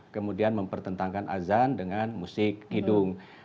kemudian mempertentangkan azan dengan musik hidung